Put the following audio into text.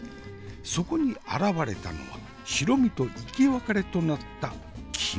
そこに現れたのは白身と生き別れとなった黄身。